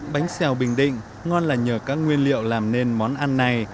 bánh xèo bình định ngon là nhờ các nguyên liệu làm nên món ăn này